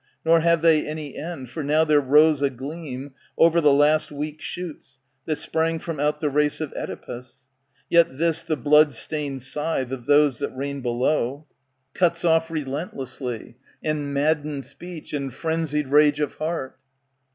Nor have they any end : For now there rose a gleam, Over the last weak shoots, That sprang from out the race of QEdipus ;*^ Yet this the blood stained scythe Of those that reign below « i6i ft ANTIGONE Cuts off relentlessly, And maddened speech, and frenzied rage of heart.